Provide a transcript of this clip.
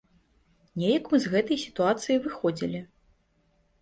Неяк мы з гэтай сітуацыі выходзілі.